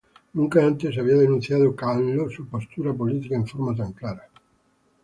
Nunca antes había denunciado Kahlo su postura política en forma tan clara.